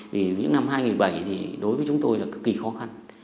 vì những năm hai nghìn bảy thì đối với chúng tôi là cực kỳ khó khăn